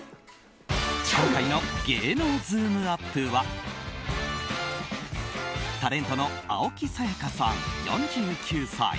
今回の芸能ズームＵＰ！はタレントの青木さやかさん４９歳。